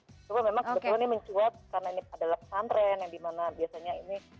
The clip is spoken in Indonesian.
coba memang sebetulnya mencuat karena ini adalah pesantren yang dimana biasanya ini